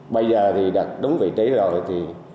bây giờ thì đặt đúng vị trí rồi thì